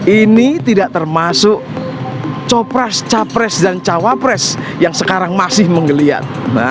ini tidak termasuk copras capres dan cawapres yang sekarang masih menggeliat